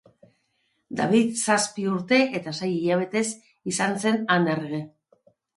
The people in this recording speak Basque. David zazpi urte eta sei hilabetez izan zen han errege.